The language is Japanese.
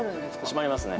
しまりますね。